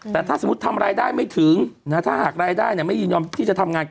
แต่ถ้าสมมุติทำรายได้ไม่ถึงถ้าหากรายได้ไม่ยินยอมที่จะทำงาน